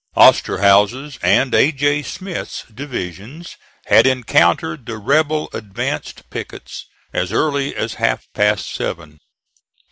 Osterhaus's and A. J. Smith's divisions had encountered the rebel advanced pickets as early as half past seven.